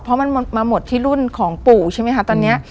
เพราะมันมาหมดที่รุ่นของปู่ใช่ไหมคะตอนนี้